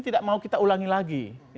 tidak mau kita ulangi lagi